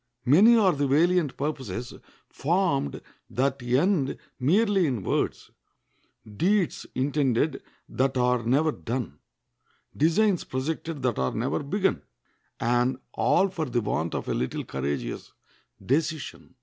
Many are the valiant purposes formed that end merely in words; deeds intended that are never done; designs projected that are never begun; and all for the want of a little courageous decision.